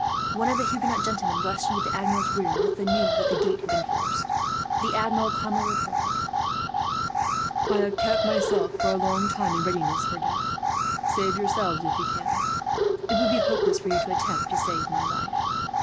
One of the Huguenot gentlemen rushed into the Admiral's room, with the news that the gate had been forced. The Admiral calmly replied: "I have kept myself for a long time in readiness for death. Save yourselves, if you can. It would be hopeless for you to attempt to save my life."